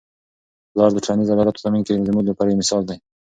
پلار د ټولنیز عدالت په تامین کي زموږ لپاره یو مثال دی.